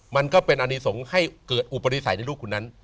มันก็เป็นอนิสงฆ์ให้เกิดอุปนิสัยในลูกคุณนั้น